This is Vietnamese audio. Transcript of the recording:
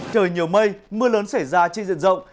trời nhiều mây mưa lớn xảy ra trên diện rộng